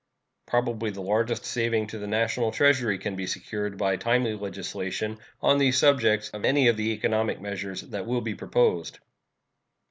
Probably the largest saving to the National Treasury can be secured by timely legislation on these subjects of any of the economic measures that will be proposed.